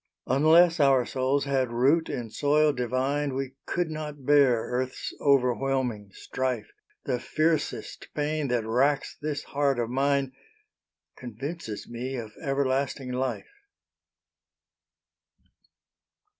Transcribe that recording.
Unless our souls had root in soil divine We could not bear earth's overwhelming strife. The fiercest pain that racks this heart of mine, Convinces me of everlasting life.